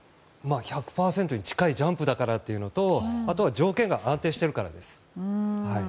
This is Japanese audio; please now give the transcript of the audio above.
１００％に近いジャンプだからというのとあとは条件が安定しているからです。